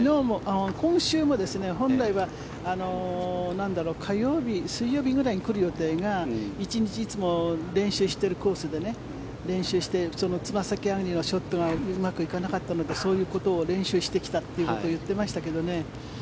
今週も本来は火曜日、水曜日ぐらいに来る予定が１日、いつも練習しているコースで練習してつま先上がりのショットがうまくいかなかったのでそういうことを練習してきたということを言ってましたけどね。